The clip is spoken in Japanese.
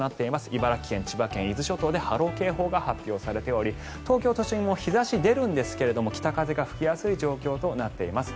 茨城県、千葉県、伊豆諸島で波浪警報が発表されており東京都心も日差しが出るんですが北風が吹きやすい状況となっています。